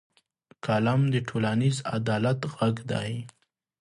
قلم د ټولنیز عدالت غږ دی